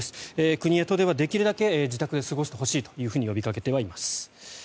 国や都では、できるだけ自宅で過ごしてほしいとは呼びかけています。